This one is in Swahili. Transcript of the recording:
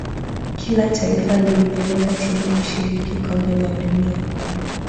kila taifa lilipeleka timu kushiriki kombe la dunia